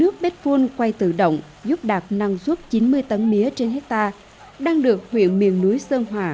kcb sẽ tiếp tục làm việc với ủy ban nhân dân tỉnh phú yên và huyện sơn hòa